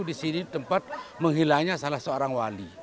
di sini tempat menghilangnya salah seorang wali